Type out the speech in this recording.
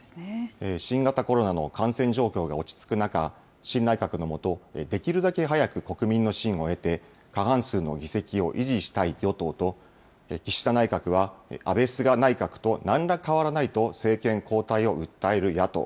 新型コロナの感染状況が落ち着く中、新内閣の下、できるだけ早く国民の信を得て、過半数の議席を維持したい与党と、岸田内閣は、安倍・菅内閣となんら変わらないと政権交代を訴える野党。